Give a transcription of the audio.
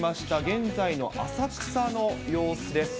現在の浅草の様子です。